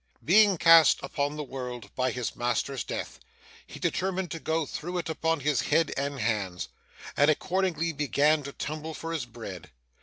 Being cast upon the world by his master's death, he determined to go through it upon his head and hands, and accordingly began to tumble for his bread.